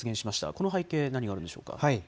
この背景は何があるでしょうか。